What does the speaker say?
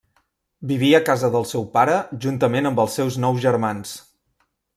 Vivia a casa del seu pare juntament amb els seus nou germans.